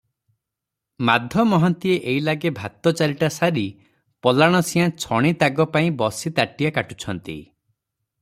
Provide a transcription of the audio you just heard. ମାଧ ମହାନ୍ତିଏ ଏଇଲାଗେ ଭାତ ଚାରିଟା ସାରି ପଲାଣସିଆଁ ଛଣି ତାଗପାଇଁ ବସି ବାଟିଆ କାଟୁଛନ୍ତି ।